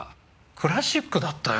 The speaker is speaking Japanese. クラシックだったよ。